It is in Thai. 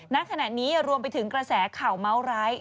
ณขณะนี้รวมไปถึงกระแสข่าวเมาส์ร้าย